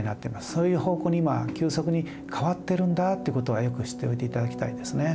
そういう方向に今急速に変わってるんだってことはよく知っておいていただきたいですね。